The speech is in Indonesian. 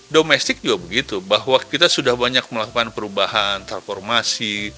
domestik juga begitu bahwa kita sudah banyak melakukan perubahan transformasi